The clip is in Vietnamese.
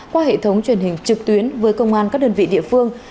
qua hệ thống truyền hình trực tuyến với công an các đơn vị địa phương